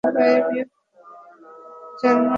German গুপ্তচর তুই!